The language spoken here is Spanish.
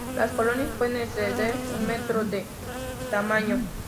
Las colonias pueden exceder un metro de tamaño.